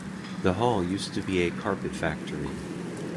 The hall used to be a carpet factory.